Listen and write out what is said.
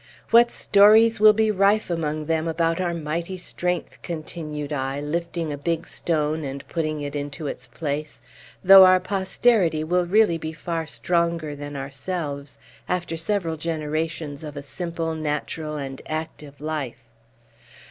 What stories will be rife among them about our mighty strength!" continued I, lifting a big stone and putting it into its place, "though our posterity will really be far stronger than ourselves, after several generations of a simple, natural, and active life.